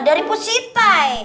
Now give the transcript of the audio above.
dari pak siti